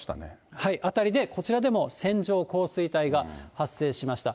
辺りで、こちらでも線状降水帯が発生しました。